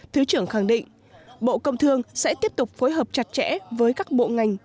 thứ trưởng khẳng định bộ công thương sẽ tiếp tục phối hợp chặt chẽ với các bộ ngành